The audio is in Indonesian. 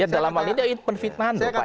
dalam hal ini penfitnahan ya pak